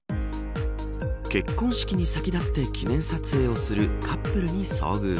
結婚式に先立って記念撮影をするカップルに遭遇。